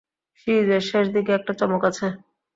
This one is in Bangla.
সিরিজের শেষ দিকে একটা চমক আছে!